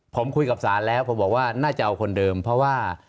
ผมคุยกับศาลแล้วผมบอกว่าน่าจะเอาคนเดิมเพราะว่า